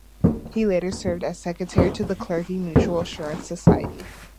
He later served as secretary to the Clergy Mutual Assurance Society.